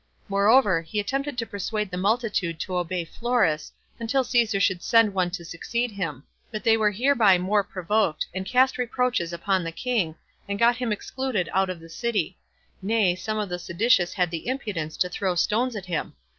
Moreover, he attempted to persuade the multitude to obey Florus, until Caesar should send one to succeed him; but they were hereby more provoked, and cast reproaches upon the king, and got him excluded out of the city; nay, some of the seditious had the impudence to throw stones at him.